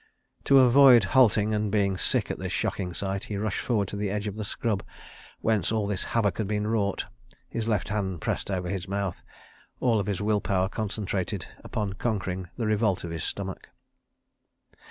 To avoid halting and being sick at this shocking sight, he rushed forward to the edge of the scrub whence all this havoc had been wrought, his left hand pressed over his mouth, all his will power concentrated upon conquering the revolt of his stomach.